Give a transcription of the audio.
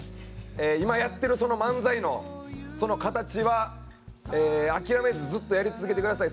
今やってるその漫才のその形は諦めずずっとやり続けてください。